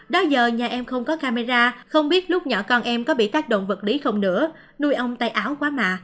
đó giờ nhà em không có camera không biết lúc nhỏ con em có bị tác động vật lý không nữa nuôi ông tay áo quá mạ